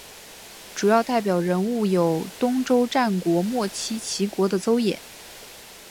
主要代表人物有东周战国末期齐国的邹衍。